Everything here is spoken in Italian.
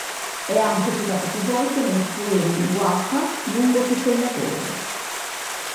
È anche citata più volte nei poemi waka lungo tutto il lavoro.